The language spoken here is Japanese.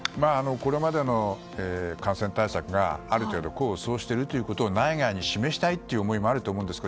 これまでの感染対策がある程度、功を奏していることを内外に示したいという思いもあると思うんです。